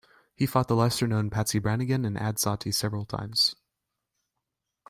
He fought the lesser known Patsy Brannigan and Ad Zotte several times.